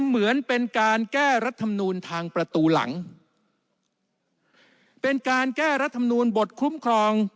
เหมือนเป็นการแก้รัฐมนูลทางประตูหลังเป็นการแก้รัฐมนูลบทคุ้มครอง